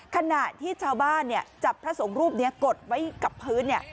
ขณะที่ชาวบ้านจับพระสงฆ์รูปนี้กดไว้กับพื้น